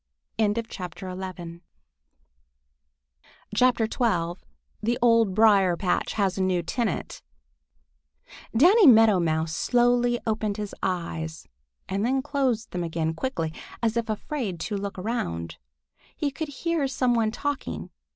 XII THE OLD BRIAR PATCH HAS A NEW TENANT DANNY MEADOW MOUSE slowly opened his eyes and then closed them again quickly, as if afraid to look around. He could hear some one talking.